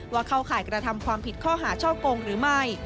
ว่าเขาขายกระทำความผิดข้อหาเช่าโปรงหรือไม่